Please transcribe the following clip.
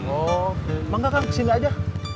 oh maka kang kesini aja